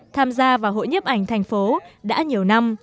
tham gia vào hội nhếp ảnh thành phố đã nhiều năm